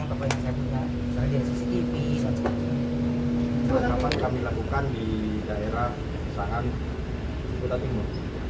apa yang kami lakukan di daerah saham kota timur